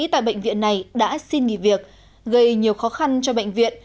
tại bệnh viện này đã xin nghỉ việc gây nhiều khó khăn cho bệnh viện